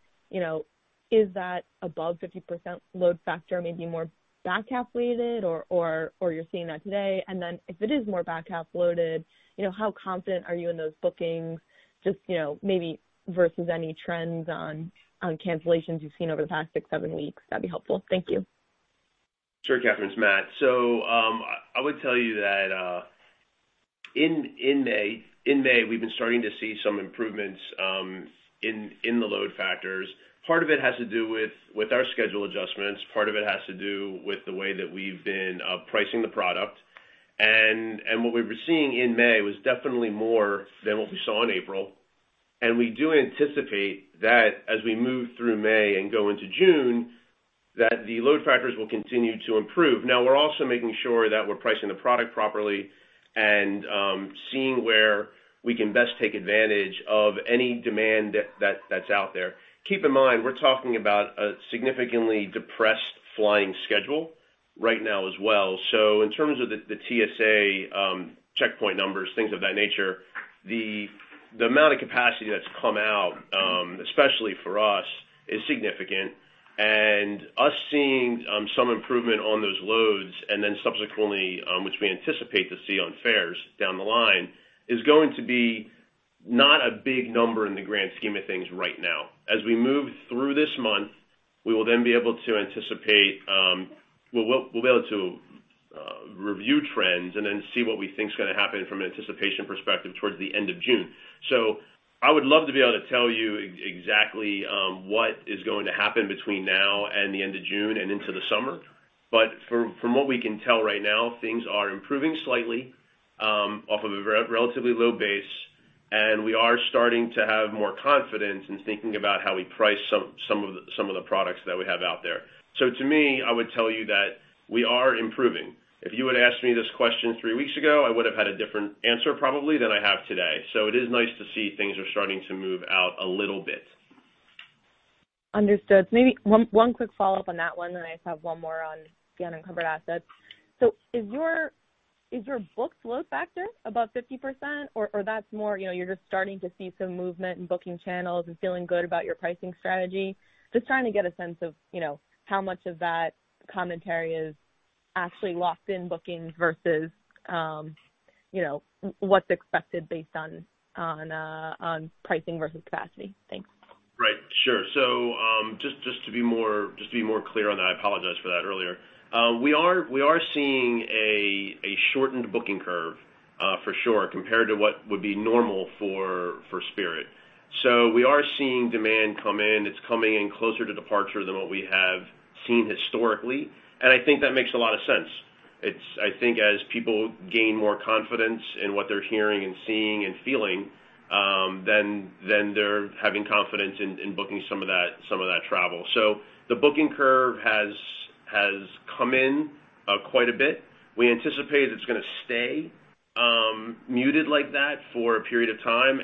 [SPEAKER 3] Is that above 50% load factor, maybe more back-, or you're seeing that today? If it is more back-half loaded, how confident are you in those bookings just maybe versus any trends on cancellations you've seen over the past six, seven weeks? That'd be helpful. Thank you.
[SPEAKER 5] Sure, Catherine. It's Matt. I would tell you that in May, we've been starting to see some improvements in the load factors. Part of it has to do with our schedule adjustments. Part of it has to do with the way that we've been pricing the product. What we were seeing in May was definitely more than what we saw in April. We do anticipate that as we move through May and go into June, the load factors will continue to improve. Now, we're also making sure that we're pricing the product properly and seeing where we can best take advantage of any demand that's out there. Keep in mind, we're talking about a significantly depressed flying schedule right now as well. In terms of the TSA checkpoint numbers, things of that nature, the amount of capacity that's come out, especially for us, is significant. We are seeing some improvement on those loads and then subsequently, which we anticipate to see on fares down the line, is going to be not a big number in the grand scheme of things right now. As we move through this month, we will then be able to anticipate we'll be able to review trends and then see what we think is going to happen from an anticipation perspective towards the end of June. I would love to be able to tell you exactly what is going to happen between now and the end of June and into the summer. From what we can tell right now, things are improving slightly off of a relatively low base. We are starting to have more confidence in thinking about how we price some of the products that we have out there. To me, I would tell you that we are improving. If you had asked me this question three weeks ago, I would have had a different answer probably than I have today. It is nice to see things are starting to move out a little bit. Understood. Maybe one quick follow-up on that one, and I just have one more on the unencumbered assets. Is your booked load factor above 50%, or is that more you are just starting to see some movement in booking channels and feeling good about your pricing strategy? Just trying to get a sense of how much of that commentary is actually locked in bookings versus what is expected based on pricing versus capacity. Thanks. Right. Sure. Just to be more clear on that, I apologize for that earlier. We are seeing a shortened booking curve for sure compared to what would be normal for Spirit. We are seeing demand come in. It is coming in closer to departure than what we have seen historically. I think that makes a lot of sense. I think as people gain more confidence in what they are hearing and seeing and feeling, they are having confidence in booking some of that travel. The booking curve has come in quite a bit. We anticipate it is going to stay muted like that for a period of time.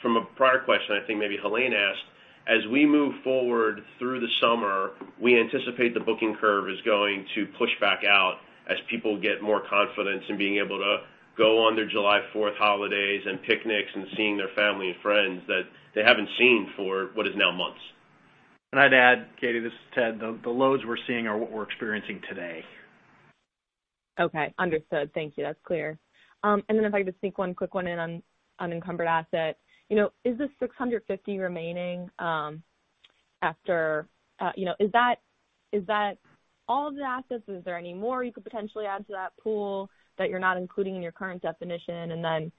[SPEAKER 5] From a prior question, I think maybe Helane asked, as we move forward through the summer, we anticipate the booking curve is going to push back out as people get more confidence in being able to go on their July 4th holidays and picnics and seeing their family and friends that they haven't seen for what is now months.
[SPEAKER 3] I'd add, Catie, this is Ted. The loads we're seeing are what we're experiencing today. Okay. Understood. Thank you. That's clear. If I could sneak one quick one in on unencumbered assets, is the $650 million remaining after, is that all of the assets? Is there any more you could potentially add to that pool that you're not including in your current definition?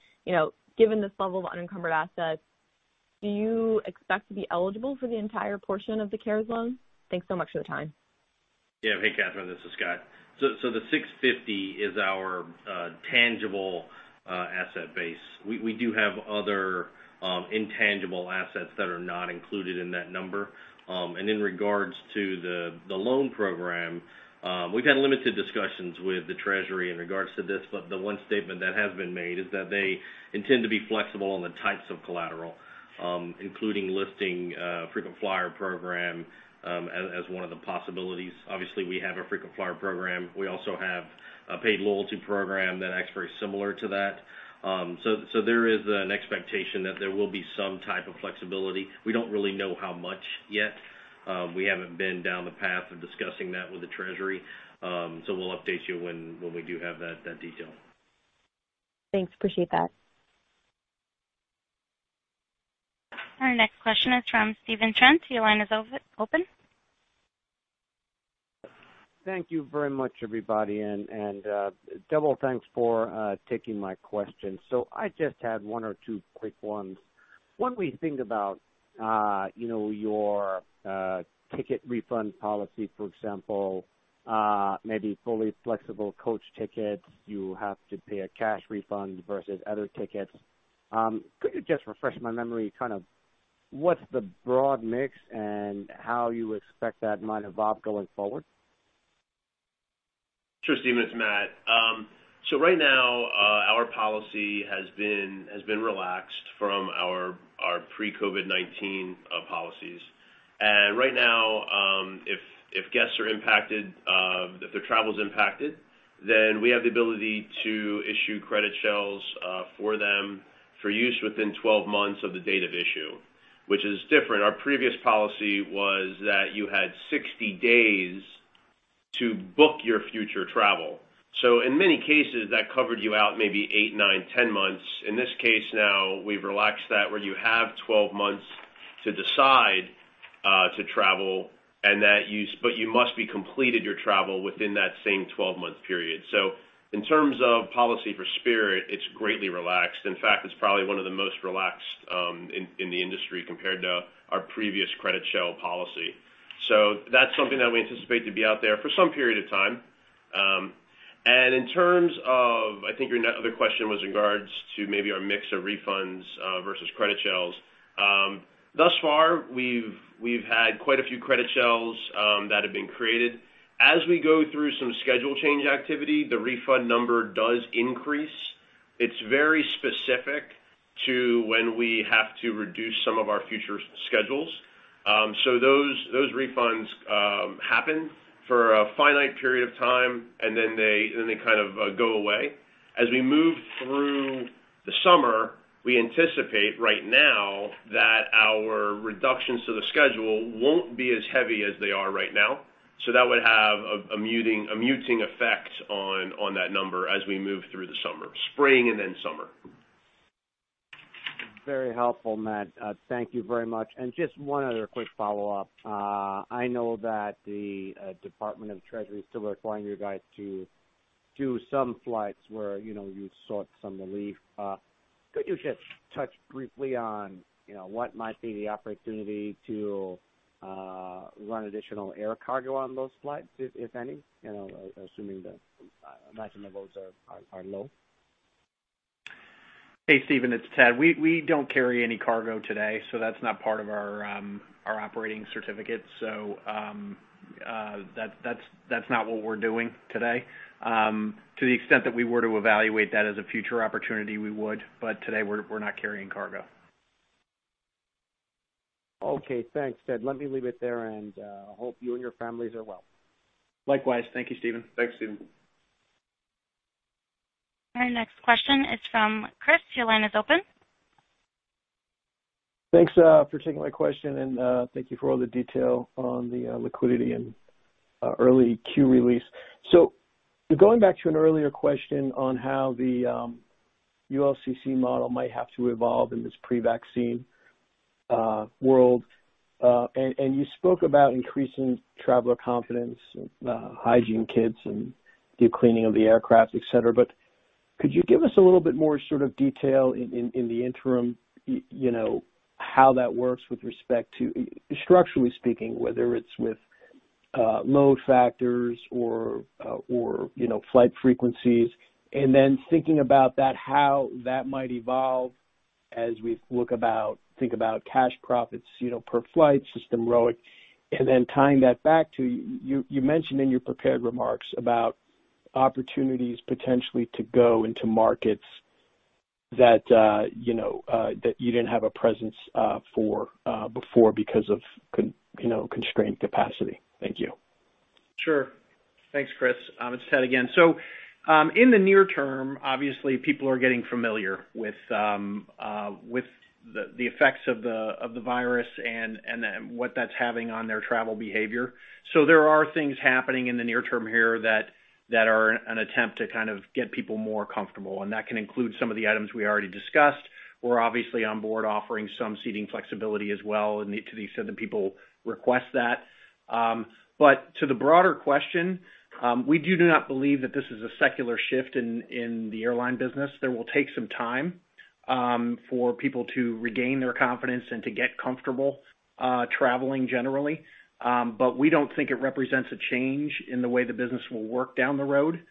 [SPEAKER 3] Given this level of unencumbered assets, do you expect to be eligible for the entire portion of the CARES loan? Thanks so much for the time.
[SPEAKER 4] Yeah. Hey, Catherine. This is Scott. The $650 million is our tangible asset base. We do have other intangible assets that are not included in that number. In regards to the loan program, we've had limited discussions with the Treasury in regards to this. The one statement that has been made is that they intend to be flexible on the types of collateral, including listing frequent flyer program as one of the possibilities. Obviously, we have a frequent flyer program. We also have a paid loyalty program that acts very similar to that. There is an expectation that there will be some type of flexibility. We don't really know how much yet. We haven't been down the path of discussing that with the Treasury. We'll update you when we do have that detail. Thanks. Appreciate that.
[SPEAKER 1] Our next question is from Stephen Trent. Your line is open. Thank you very much, everybody. Double thanks for taking my question. I just had one or two quick ones. When we think about your ticket refund policy, for example, maybe fully flexible coach tickets, you have to pay a cash refund versus other tickets. Could you just refresh my memory kind of what's the broad mix and how you expect that might evolve going forward?
[SPEAKER 5] Sure, Stephen. It's Matt. Right now, our policy has been relaxed from our pre-COVID-19 policies. Right now, if guests are impacted, if their travel's impacted, then we have the ability to issue credit shells for them for use within 12 months of the date of issue, which is different. Our previous policy was that you had 60 days to book your future travel. In many cases, that covered you out maybe eight, nine, 10 months. In this case, now we've relaxed that where you have 12 months to decide to travel, but you must have completed your travel within that same 12-month period. In terms of policy for Spirit, it's greatly relaxed. In fact, it's probably one of the most relaxed in the industry compared to our previous credit shell policy. That's something that we anticipate to be out there for some period of time. In terms of, I think your other question was in regards to maybe our mix of refunds versus credit shells. Thus far, we've had quite a few credit shells that have been created. As we go through some schedule change activity, the refund number does increase. It's very specific to when we have to reduce some of our future schedules. Those refunds happen for a finite period of time, and then they kind of go away. As we move through the summer, we anticipate right now that our reductions to the schedule won't be as heavy as they are right now. That would have a muting effect on that number as we move through the spring and then summer. Very helpful, Matt. Thank you very much. Just one other quick follow-up. I know that the Department of Treasury is still requiring you guys to do some flights where you sought some relief. Could you just touch briefly on what might be the opportunity to run additional air cargo on those flights, if any, assuming that I imagine the loads are low?
[SPEAKER 3] Hey, Stephen. It's Ted. We don't carry any cargo today, so that's not part of our operating certificate. That's not what we're doing today. To the extent that we were to evaluate that as a future opportunity, we would. Today, we're not carrying cargo. Okay. Thanks, Ted. Let me leave it there and hope you and your families are well. Likewise. Thank you, Stephen.
[SPEAKER 5] Thanks, Stephen.
[SPEAKER 1] Our next question is from Chris. Your line is open. Thanks for taking my question, and thank you for all the detail on the liquidity and early Q release. Going back to an earlier question on how the ULCC model might have to evolve in this pre-vaccine world, you spoke about increasing traveler confidence, hygiene kits, and deep cleaning of the aircraft, etc. Could you give us a little bit more sort of detail in the interim how that works with respect to, structurally speaking, whether it's with load factors or flight frequencies, and then thinking about that, how that might evolve as we think about cash profits per flight, system ROIC, and then tying that back to you mentioned in your prepared remarks about opportunities potentially to go into markets that you didn't have a presence for before because of constrained capacity. Thank you.
[SPEAKER 3] Sure. Thanks, Chris. It's Ted again. In the near term, obviously, people are getting familiar with the effects of the virus and what that's having on their travel behavior. There are things happening in the near term here that are an attempt to kind of get people more comfortable. That can include some of the items we already discussed. We're obviously on board offering some seating flexibility as well to the extent that people request that. To the broader question, we do not believe that this is a secular shift in the airline business. It will take some time for people to regain their confidence and to get comfortable traveling generally. We do not think it represents a change in the way the business will work down the road.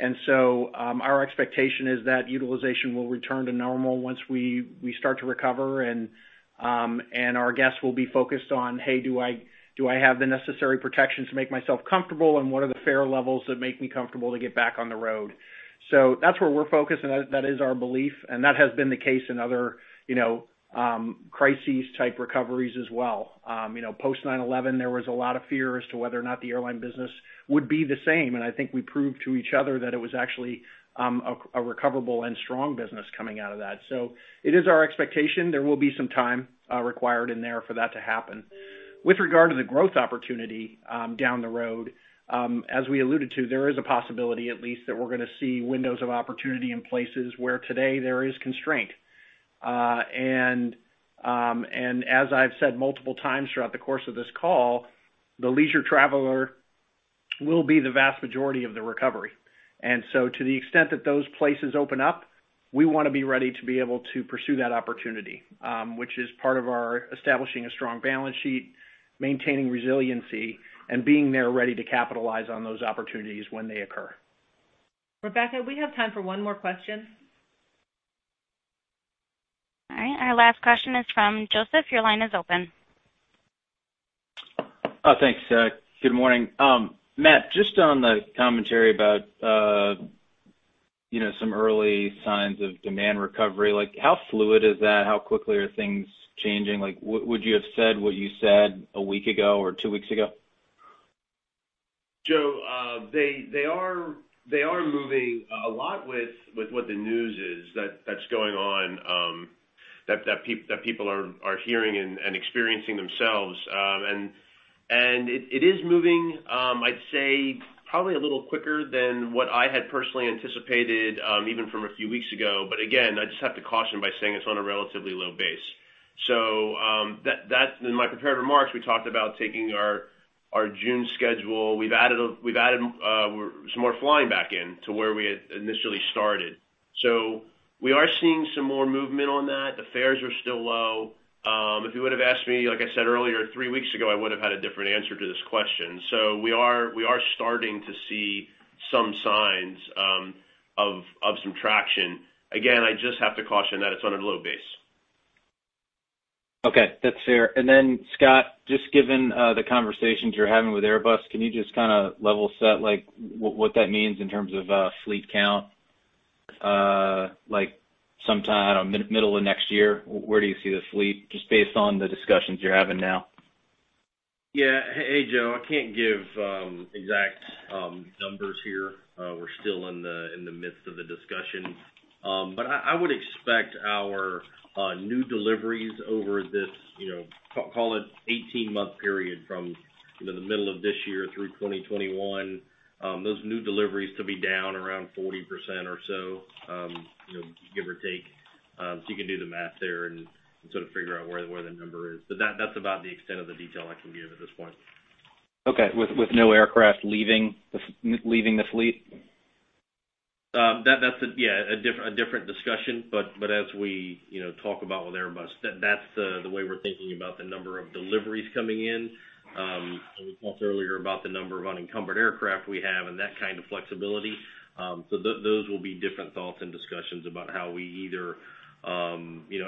[SPEAKER 3] Our expectation is that utilization will return to normal once we start to recover. Our guests will be focused on, "Hey, do I have the necessary protections to make myself comfortable, and what are the fare levels that make me comfortable to get back on the road?" That is where we're focused. That is our belief. That has been the case in other crises-type recoveries as well. Post 9/11, there was a lot of fear as to whether or not the airline business would be the same. I think we proved to each other that it was actually a recoverable and strong business coming out of that. It is our expectation. There will be some time required in there for that to happen. With regard to the growth opportunity down the road, as we alluded to, there is a possibility at least that we're going to see windows of opportunity in places where today there is constraint. As I have said multiple times throughout the course of this call, the leisure traveler will be the vast majority of the recovery. To the extent that those places open up, we want to be ready to be able to pursue that opportunity, which is part of our establishing a strong balance sheet, maintaining resiliency, and being there ready to capitalize on those opportunities when they occur.
[SPEAKER 2] Rebecca, we have time for one more question.
[SPEAKER 1] All right. Our last question is from Joseph. Your line is open. Oh, thanks. Good morning. Matt, just on the commentary about some early signs of demand recovery, how fluid is that? How quickly are things changing? Would you have said what you said a week ago or two weeks ago?
[SPEAKER 5] Joe, they are moving a lot with what the news is that's going on, that people are hearing and experiencing themselves. It is moving, I'd say, probably a little quicker than what I had personally anticipated even from a few weeks ago. Again, I just have to caution by saying it's on a relatively low base. In my prepared remarks, we talked about taking our June schedule. We've added some more flying back in to where we initially started. We are seeing some more movement on that. The fares are still low. If you would have asked me, like I said earlier, three weeks ago, I would have had a different answer to this question. We are starting to see some signs of some traction. Again, I just have to caution that it's on a low base. Okay. That's fair. Scott, just given the conversations you're having with Airbus, can you just kind of level set what that means in terms of fleet count sometime middle of next year? Where do you see the fleet just based on the discussions you're having now?
[SPEAKER 4] Yeah. Hey, Joe. I can't give exact numbers here. We're still in the midst of the discussion. I would expect our new deliveries over this, call it, 18-month period from the middle of this year through 2021, those new deliveries to be down around 40% or so, give or take. You can do the math there and sort of figure out where the number is. That's about the extent of the detail I can give at this point. Okay. With no aircraft leaving the fleet? That's a, yeah, a different discussion. As we talk about with Airbus, that's the way we're thinking about the number of deliveries coming in. We talked earlier about the number of unencumbered aircraft we have and that kind of flexibility. Those will be different thoughts and discussions about how we either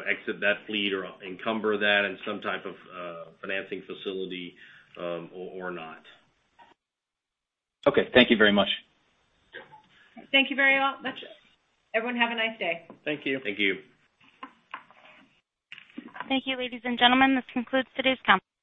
[SPEAKER 4] exit that fleet or encumber that in some type of financing facility or not. Okay. Thank you very much.
[SPEAKER 2] Thank you very much. Everyone, have a nice day.
[SPEAKER 4] Thank you.
[SPEAKER 3] Thank you.
[SPEAKER 1] Thank you, ladies and gentlemen. This concludes today's conference.